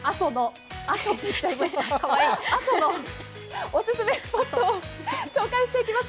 そんな阿蘇のオススメスポットを紹介していきます。